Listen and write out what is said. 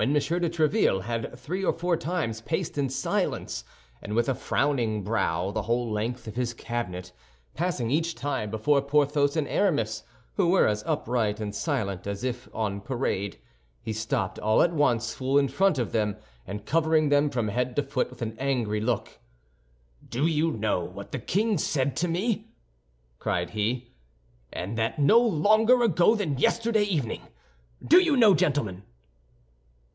de Tréville had three or four times paced in silence, and with a frowning brow, the whole length of his cabinet, passing each time before Porthos and Aramis, who were as upright and silent as if on parade—he stopped all at once full in front of them, and covering them from head to foot with an angry look, "Do you know what the king said to me," cried he, "and that no longer ago than yesterday evening—do you know, gentlemen?"